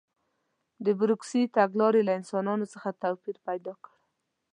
د بروکراسي تګلارې له انسانانو څخه توپیر پیدا کړ.